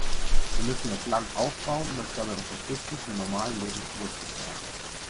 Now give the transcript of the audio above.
Wir müssen das Land aufbauen und es dabei unterstützen, zum normalen Leben zurückzukehren.